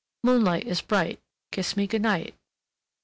"Moonlight is bright, Kiss me good night."